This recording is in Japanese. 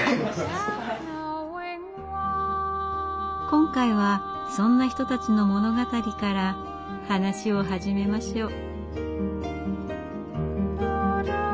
今回はそんな人たちの物語から話を始めましょう。